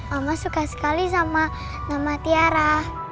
mama suka sekali sama tiara